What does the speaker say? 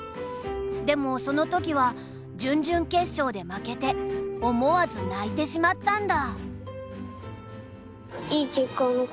でもその時は準々決勝で負けて思わず泣いてしまったんだ。